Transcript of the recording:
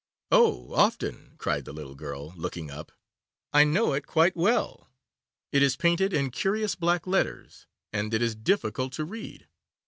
'Oh, often,' cried the little girl, looking up; 'I know it quite well. It is painted in curious black letters, and it is difficult to read.